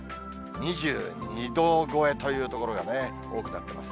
２２度超えという所が多くなってます。